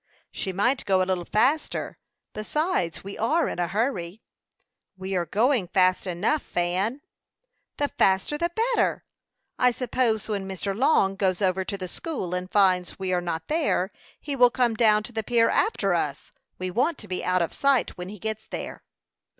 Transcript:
"She might go a little faster; besides, we are in a hurry." "We are going fast enough, Fan." "The faster the better! I suppose, when Mr. Long goes over to the school and finds we are not there, he will come down to the pier after us. We want to be out of sight when he gets there."